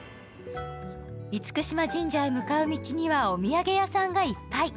厳島神社へ向かう道にはお土産屋さんがいっぱい。